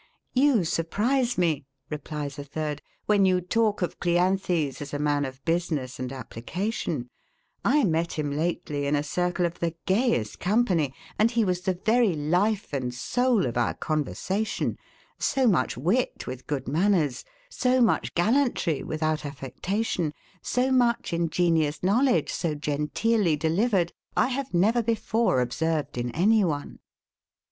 ] You surprise me, replies a third, when you talk of Cleanthes as a man of business and application. I met him lately in a circle of the gayest company, and he was the very life and soul of our conversation: so much wit with good manners; so much gallantry without affectation; so much ingenious knowledge so genteelly delivered, I have never before observed in any one.